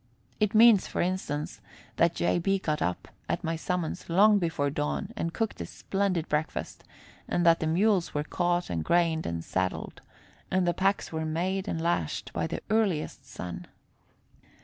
It means, for instance, that J. B. got up, at my summons, long before dawn and cooked a splendid breakfast, and that the mules were caught and grained and saddled, and the packs made and lashed, by the earliest sun.